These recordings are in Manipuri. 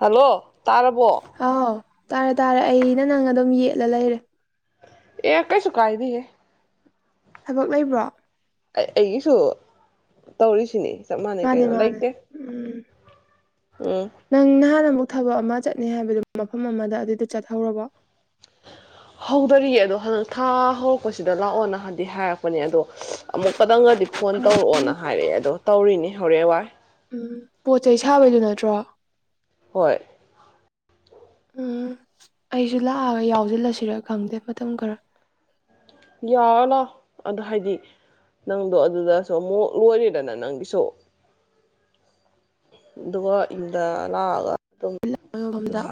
ꯍꯜꯂꯣ ꯇꯥꯔꯕꯣ ꯑꯥꯎ ꯇꯥꯔꯦ ꯇꯥꯔꯦ ꯑꯩꯩꯅ ꯅꯪ ꯑꯗꯨꯝ ꯌꯦꯠꯂ ꯂꯩꯔꯦ ꯑꯦ ꯑꯀꯩ ꯆꯀꯥꯏꯗꯤꯌꯦ ꯊꯕꯛ ꯂꯩꯕ꯭ꯔꯣ ꯑꯩ ꯑꯩꯒꯤꯁꯨ ꯇꯧꯔꯤꯁꯤꯅꯤ ꯆꯞ ꯃꯥꯟꯅꯩ ꯃꯥꯅꯦ ꯀꯩꯅꯣ ꯃꯥꯅꯦ ꯂꯩꯇꯦ ꯎꯝ ꯎꯝ ꯅꯪ ꯅꯍꯥꯟ ꯑꯃꯨꯛ ꯊꯕꯛ ꯑꯃ ꯆꯠꯅꯤ ꯍꯥꯏꯕꯗꯨ ꯃꯐꯝ ꯑꯃꯗ ꯑꯗꯨꯗ ꯆꯠꯍꯧꯔꯕꯣ [unintelligible] ꯍꯧꯗꯔꯤꯑ ꯑꯗꯣ ꯍꯟꯗꯛ ꯊꯥ ꯍꯧꯔꯛꯄꯁꯤꯗ ꯂꯥꯛꯑꯣꯅ ꯍꯥꯏꯥꯟꯗꯤ ꯍꯥꯏꯔꯛꯄꯅꯦ ꯑꯗꯣ ꯑꯃꯨꯛꯀꯗꯪꯒꯗꯤ ꯐꯣꯟ ꯇꯧꯔꯛꯑꯣꯅ ꯍꯥꯏꯔꯛꯑꯦ ꯑꯗꯣ ꯇꯧꯔꯤꯅꯦ ꯍꯣꯔꯦꯟ ꯋꯥꯏ ꯎꯝ ꯄꯣꯠ ꯆꯩ ꯁꯥꯕꯩꯗꯨ ꯅꯠꯇ꯭ꯔꯣ ꯍꯣꯏ ꯎꯝ ꯑꯩꯁꯨ ꯂꯥꯛꯑꯒ ꯌꯥꯎꯁꯤꯜꯂꯁꯤꯔ ꯈꯪꯗꯦ ꯃꯇꯝ ꯈꯔ ꯌꯥꯔꯅꯣ ꯑꯗꯣ ꯍꯥꯏꯗꯤ ꯅꯪꯗꯣ ꯑꯗꯨꯗꯁꯨ ꯑꯃꯨꯛ ꯂꯣꯏꯔꯦꯗꯅ ꯅꯪꯒꯤꯁꯨ ꯑ ꯗꯉꯗ ꯂꯥꯎ ꯑꯗꯨ ꯂ ꯃꯐꯝꯗ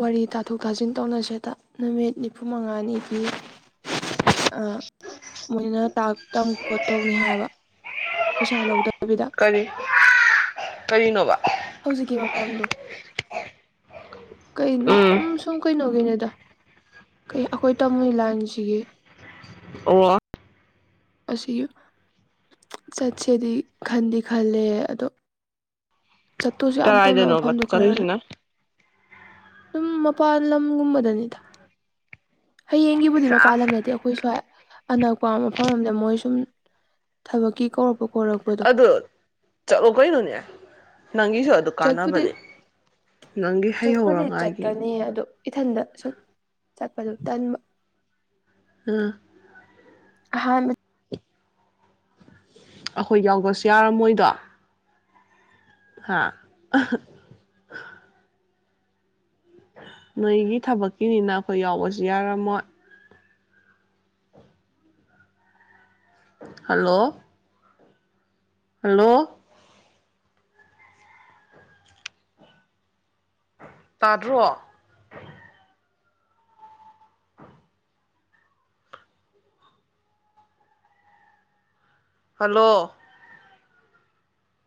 ꯋꯥꯔꯤ ꯇꯥꯊꯣꯛ ꯇꯥꯁꯤꯟ ꯇꯧꯅꯁꯦꯗ ꯅꯨꯃꯤꯠ ꯅꯤꯐꯨ ꯃꯉꯥꯅꯤ ꯄꯤꯌ ꯑꯥ ꯃꯣꯏꯅ ꯇꯥꯛ ꯇ ꯈꯣꯠꯇꯧꯅꯤ ꯍꯥꯏꯕ ꯄꯩꯁꯥ ꯂꯧꯗ ꯀꯔꯤ ꯀꯔꯤꯅꯣꯕ ꯍꯧꯖꯤꯛꯀꯤ ꯃꯐꯝꯗꯣ ꯀꯩꯅꯣ ꯎꯝ ꯁꯨꯝ ꯀꯩꯅꯣ ꯀꯨꯏꯔꯦꯗꯥ ꯀꯩ ꯑꯩꯈꯣꯏ ꯇꯝꯃꯨ ꯂꯥꯟꯁꯤꯒꯦ ꯑꯣ ꯑꯁꯤ ꯆꯠꯁꯦꯗꯤ ꯈꯟꯗꯤ ꯈꯜꯂꯦ ꯑꯗꯣ ꯆꯠꯇꯨꯁꯨ ꯌꯥꯝ ꯇꯟꯕ ꯀꯗꯥꯏꯗꯅꯣꯕ ꯃꯐꯝꯗꯨꯣ ꯈꯔ ꯆꯠꯂꯨꯏꯁꯤꯅ ꯑꯗꯨꯝ ꯃꯄꯥꯟ ꯂꯝꯒꯨꯝꯕꯗꯅꯤꯗ ꯍꯌꯦꯡꯒꯤꯕꯨꯗꯤ ꯃꯄꯥꯟ ꯑꯁ ꯂꯝꯗꯗꯤ ꯑꯩꯈꯣꯏ ꯁ꯭ꯋꯥꯏ ꯑꯅꯛꯄ ꯃꯐꯝꯝꯗ ꯃꯣꯏ ꯁꯨꯝ ꯊꯕꯛꯀꯤ ꯀꯧꯔꯛꯄ ꯈꯣꯔꯛꯄꯗꯣ ꯑꯗꯨ ꯆꯠꯂꯣ ꯀꯩꯅꯣꯅꯦ ꯅꯪꯒꯤꯁꯨ ꯑꯗꯨ ꯆꯠꯄꯨꯗꯤ ꯀꯥꯟꯅꯕꯅꯦ ꯅꯪꯒꯤ ꯆꯠꯄꯨꯗꯤ ꯍꯩꯍꯧꯔꯉꯥꯏꯒꯤ ꯆꯠꯀꯅꯤ ꯑꯗꯣ ꯏꯊꯟꯗ ꯁꯨꯝ ꯆꯠꯄꯗꯨ ꯇꯟꯕ ꯑꯥ ꯑꯍꯥꯟ ꯑꯩꯈꯣꯏ ꯌꯥꯎꯕꯁꯨ ꯌꯥꯔꯝꯃꯣꯏꯗꯣ ꯍꯥꯥ ꯑꯍ ꯅꯣꯏꯒꯤ ꯊꯕꯛꯀꯤꯅꯤꯅ ꯑꯩꯈꯣꯏ ꯌꯥꯎꯕꯁꯨ ꯌꯥꯔꯝꯃꯣꯏ ꯍꯜꯂꯣ ꯍꯜꯂꯣ ꯇꯥꯗ꯭ꯔꯣ ꯍꯜꯂꯣ